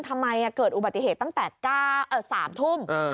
ทำไมเกิดอุบัติเหตุตั้งแต่๓ทุ่ม